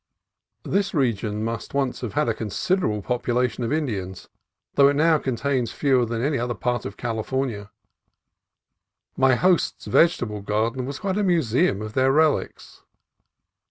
This region must once have had a considerable population of Indians, though now it contains fewer than any other part of California. My host's vege table garden was quite a museum of their relics.